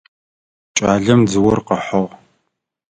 Кӏалэм дзыор къыхьыгъ.